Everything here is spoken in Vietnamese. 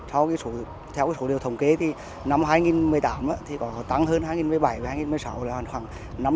theo số điều thống kế năm hai nghìn một mươi tám có tăng hơn hai nghìn một mươi bảy và hai nghìn một mươi sáu khoảng năm một mươi